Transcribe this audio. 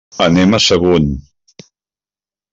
Anem a Sagunt.